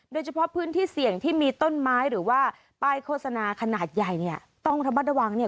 โดยเฉพาะพื้นที่เสี่ยงที่มีต้นไม้หรือว่าป้ายโฆษณาขนาดใหญ่เนี่ย